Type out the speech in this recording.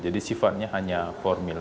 jadi sifatnya hal hal yang formil